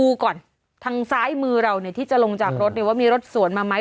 ดูก่อนทางซ้ายมือเราเนี่ยที่จะลงจากรถว่ามีรถสวนมาไหม